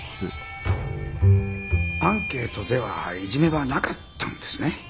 アンケートではいじめはなかったんですね。